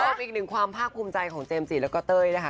อีกหนึ่งความภาคภูมิใจของเจมส์จีแล้วก็เต้ยนะคะ